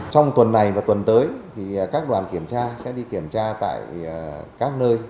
trong tuần này và tuần tới thì các đoàn kiểm tra sẽ đi kiểm tra tại các nơi